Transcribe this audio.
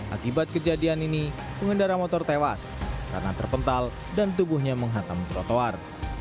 akibat kejadian ini pengendara motor tewas karena terpental dan tubuhnya menghatam trotoar